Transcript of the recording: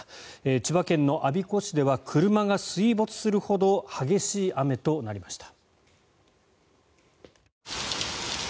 千葉県の我孫子市では車が水没するほど激しい雨となりました。